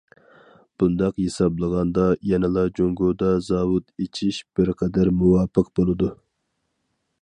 بۇنداق ھېسابلىغاندا، يەنىلا جۇڭگودا زاۋۇت ئىچىش بىر قەدەر مۇۋاپىق بولىدۇ.